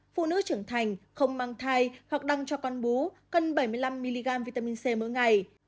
phụ nữ trưởng thành không mang thai hoặc đăng cho con bú cân bảy mươi năm mg vitamin c mỗi ngày